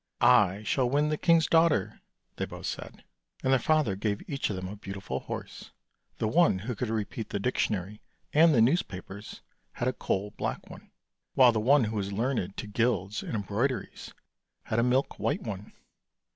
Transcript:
" I shall win the king's daughter," they both said, and their father gave each of them a beautiful horse. The one who could repeat the Dictionary and the newspapers had a coal black one, while the one who was learned to Guilds and embroideries had a milk white one.